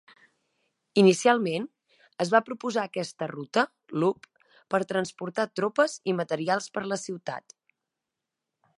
Inicialment es va proposar aquesta ruta (loop) per a transportar tropes i materials per la ciutat.